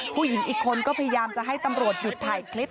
ผู้หญิงอีกคนก็พยายามจะให้ตำรวจหยุดถ่ายคลิป